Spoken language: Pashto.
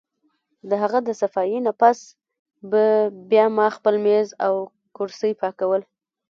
د هغه د صفائي نه پس به بیا ما خپل مېز او کرسۍ پاکول